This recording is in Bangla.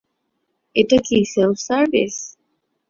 এটা কি সেলফ সার্ভিস?